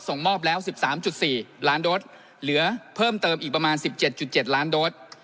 ส่งมอบแล้วสิบสามจุดสี่ล้านโดรสเหลือเพิ่มเติมอีกประมาณสิบเจ็ดจุดเจ็ดล้านโดรส